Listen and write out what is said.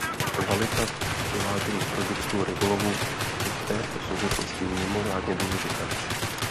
Kvalita dovážených produktů rybolovu je v této souvislosti mimořádně důležitá.